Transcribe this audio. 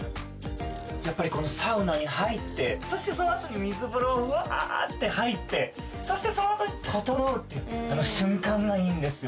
やっぱりこのサウナに入って、そしてそのあとに水風呂にうわぁ！って入って、そしてそのあとにととのうって、あの瞬間がいいんですよ。